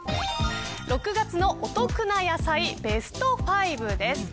６月のお得な野菜ベスト５です。